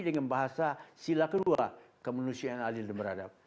dengan bahasa sila kedua kemanusiaan adil dan beradab